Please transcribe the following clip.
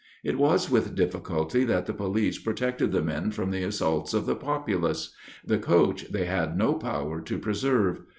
It was with difficulty that the police protected the men from the assaults of the populace: the coach they had no power to preserve.